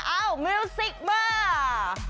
เอ้ามิวซิกเมอร์